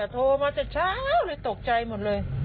โทรมาแต่เช้าเลยตกใจหมดเลย